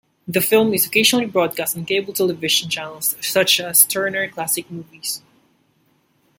The film is occasionally broadcast on cable television channels such as Turner Classic Movies.